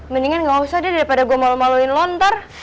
mendingan gak usah deh daripada gue malu maluin lontar